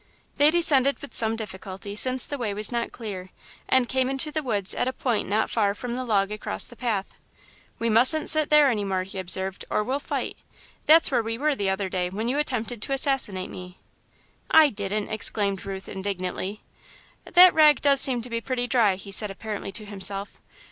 They descended with some difficulty, since the way was not cleat, and came into the woods at a point not far from the log across the path. "We mustn't sit there any more," he observed, "or we'll fight. That's where we were the other day, when you attempted to assassinate me." "I didn't!" exclaimed Ruth indignantly. "That rag does seem to be pretty dry," he said, apparently to himself.